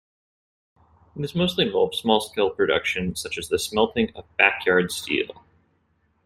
This mostly involved small-scale production, such as the smelting of "backyard" steel.